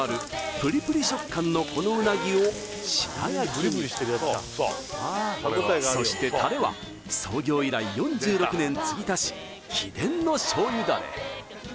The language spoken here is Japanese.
プリプリ食感のこのうなぎを白焼きにそしてタレは創業以来４６年継ぎ足し秘伝の醤油ダレ